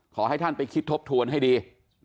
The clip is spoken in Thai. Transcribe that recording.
ขอให้ท่านไปคิดทบทวนให้ดี